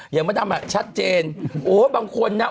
มดดำอ่ะชัดเจนโอ้บางคนนะ